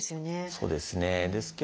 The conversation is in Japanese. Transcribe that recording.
そうですね。